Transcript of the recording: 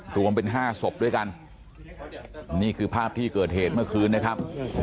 รวมเป็นห้าศพด้วยกันนี่คือภาพที่เกิดเหตุเมื่อคืนนะครับ